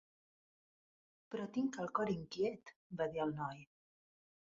"Però tinc el cor inquiet" va dir el noi.